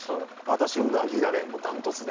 私うなぎだねダントツで。